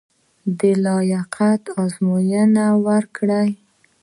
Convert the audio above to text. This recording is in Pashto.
د لیاقت ازموینه یې ورکړه.